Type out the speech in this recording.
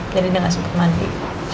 jadi dia ga sempet mandi